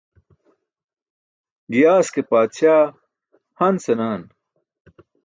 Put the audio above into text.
Giyaas ke paatśaa han senaan.